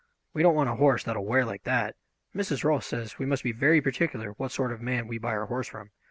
We don't want a horse that will wear like that. Mrs. Rolfs says we must be very particular what sort of man we buy our horse from.